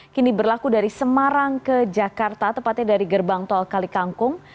kini berlaku dari semarang ke jakarta tepatnya dari gerbang tol kalikangkung